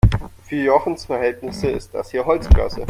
Für Jochens Verhältnisse ist das hier Holzklasse.